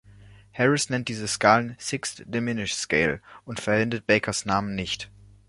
Harris nennt diese Skalen ""sixth-diminished" scale" und verwendet Bakers Namen nicht.